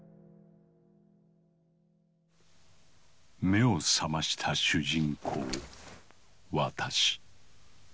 目を覚ました主人公「私」。